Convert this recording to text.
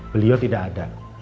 beliau tidak ada